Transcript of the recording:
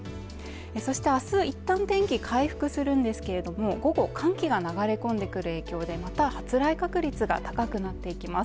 そして明日一旦天気回復するんですけれども午後寒気が流れ込んでくる影響でまた発雷確率が高くなっていきます。